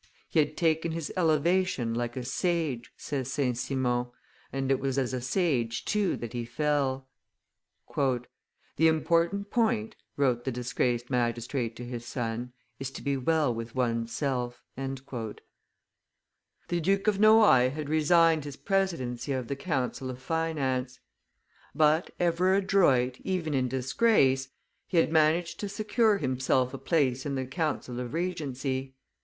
"He had taken his elevation like a sage," says St. Simon, "and it was as a sage too that he fell." "The important point," wrote the disgraced magistrate to his son, "is to be well with one's self." The Duke of Noailles had resigned his presidency of the council of finance; but, ever adroit, even in disgrace, he had managed to secure himself a place in the council of regency.